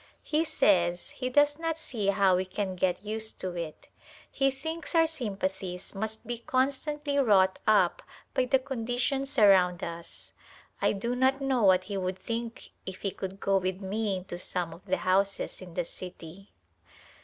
He says he does not see how we can get used to it \ he thinks our sympathies must be constantly wrought up by the conditions around us. I do not know what he would think if he could go with me into some of the houses in the city.